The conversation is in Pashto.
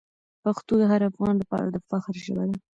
پښتو د هر افغان لپاره د فخر ژبه ده.